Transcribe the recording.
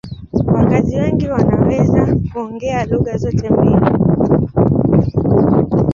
Wakazi wengi wanaweza kuongea lugha zote mbili.